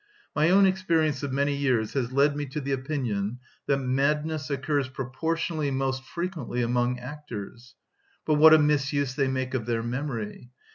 (15) My own experience of many years has led me to the opinion that madness occurs proportionally most frequently among actors. But what a misuse they make of their memory!